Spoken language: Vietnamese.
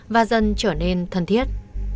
và dần trở nên thân thiết